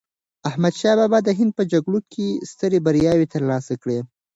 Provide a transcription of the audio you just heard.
احمد شاه بابا د هند په جګړو کې یې سترې بریاوې ترلاسه کړې.